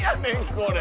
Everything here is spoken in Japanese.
これ。